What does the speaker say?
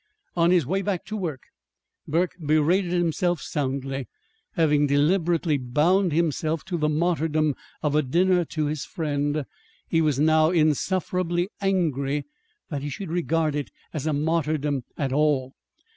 On his way back to work Burke berated himself soundly. Having deliberately bound himself to the martyrdom of a dinner to his friend, he was now insufferably angry that he should regard it as a martyrdom at all.